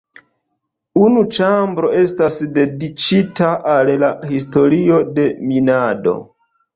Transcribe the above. Unu ĉambro estas dediĉita al la historio de minado.